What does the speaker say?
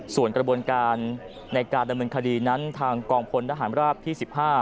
ส่วนกระบวนการในการดำเนินคดีนั้นทางกองพลทหารราบที่๑๕